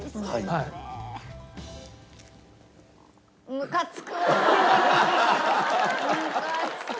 むかつく。